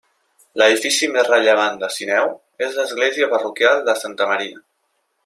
L'edifici més rellevant de Sineu és l'església parroquial de Santa Maria.